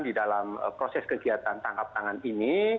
di dalam proses kegiatan tangkap tangan ini